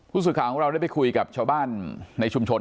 ผู้สื่อข่าวของเราได้ไปคุยกับชาวบ้านในชุมชน